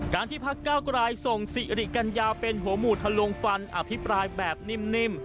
ที่พักเก้ากรายส่งสิริกัญญาเป็นหัวหมู่ทะลวงฟันอภิปรายแบบนิ่ม